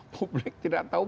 publik tidak tahu